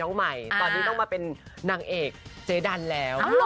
ตอนนี้มาต้องเป็นนางเอกจี้ดันแล้ว